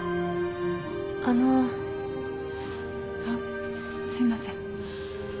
あっすいません。